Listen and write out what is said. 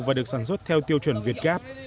và được sản xuất theo tiêu chuẩn việt gap